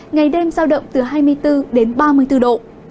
ngày đêm giao động từ hai mươi bốn đến ba mươi bốn độ